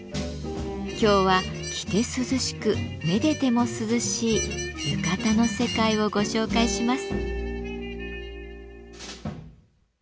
今日は着て涼しくめでても涼しい浴衣の世界をご紹介します。